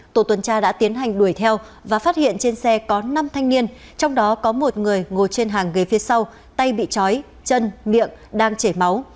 tổ tuần tra đã tiến hành đuổi theo và phát hiện trên xe có năm thanh niên trong đó có một người ngồi trên hàng ghế phía sau tay bị chói chân miệng đang chảy máu